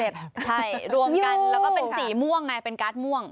ใช่รวมกันแล้วก็เป็นสีม่วงไงเป็นการ์ดม่วง